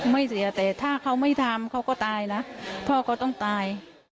ไม่เสียแต่ถ้าเขาไม่ทำเขาก็ตายนะพ่อก็ต้องตาย